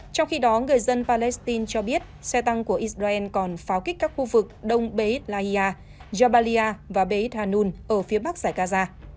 trong khi đó người dân palestine cho biết xe tăng của israel còn pháo kích các khu vực đông bezlahia jabalia và bezhanun ở phía bắc giải gaza